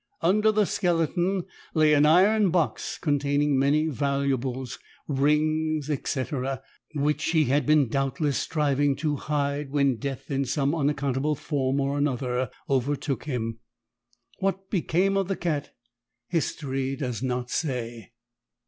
Under the skeleton lay an iron box containing many valuables, rings, &c., which he had been doubtless striving to hide when death in some unaccountable form or another overtook him. What became of the cat, history does not say.